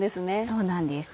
そうなんです。